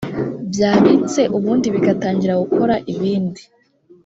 byabitse ubundi bigatangira gukora ibindi